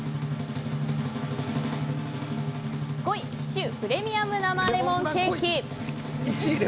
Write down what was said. ５位紀州プレミアム生レモンケーキ。